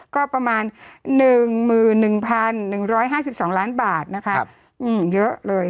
ก็ประมาณหนึ่งหมื่นหนึ่งพันหนึ่งร้อยห้าสิบสองล้านบาทนะคะอืมเยอะเลย